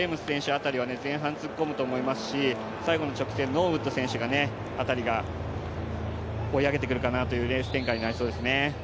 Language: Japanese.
辺りは前半突っ込むと思いますし最後の直線、ノーウッド選手辺りが追い上げてくるかなというレース展開になりそうですね。